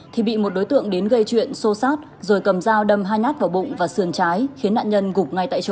thì bị một đối tượng đến gây chuyện xô xát rồi cầm dao đâm hai nhát vào bụng và sườn trái khiến nạn nhân gục ngay tại chỗ